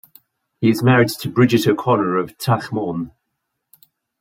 He is married to Brigid O'Connor, of Taghmon.